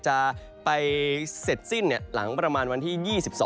จะไปเสร็จสิ้นหลังประมาณวันที่๒๒